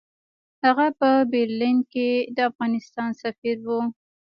هغه په برلین کې د افغانستان سفیر وو.